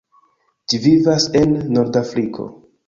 Ĝi vivas en Nordafriko.